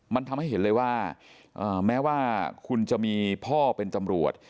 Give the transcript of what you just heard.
มันทำให้เห็นเลยว่าแม้ว่าคุณจะมีพ่อเป็นตำรวจ